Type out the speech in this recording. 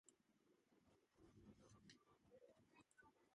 ქვემო კალიფორნიის შტატის ადმინისტრაციული ცენტრი.